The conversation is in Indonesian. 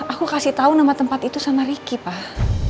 aku kasih tau nama tempat itu sama riki pak